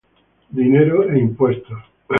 Dinero e impuestos